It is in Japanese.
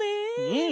うん！